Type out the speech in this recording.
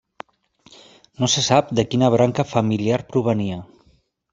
No se sap de quina branca familiar provenia.